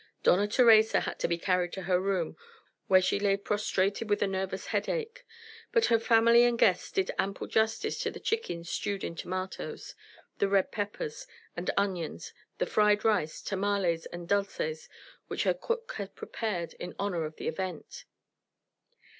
Dona Theresa had been carried to her room, where she lay prostrated with a nervous headache; but her family and guests did ample justice to the chickens stewed in tomatoes, the red peppers and onions, the fried rice, tamales, and dulces which her cook had prepared in honour of the event.